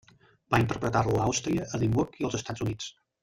Va interpretar-lo a Austràlia, a Edimburg i als Estats Units.